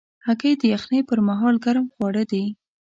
هګۍ د یخنۍ پر مهال ګرم خواړه دي.